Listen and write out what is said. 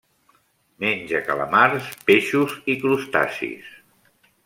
Menja calamars, peixos i crustacis.